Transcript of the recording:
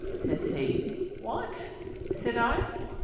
says he. "What?" said I.